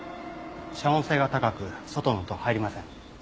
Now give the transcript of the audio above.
遮音性が高く外の音は入りません。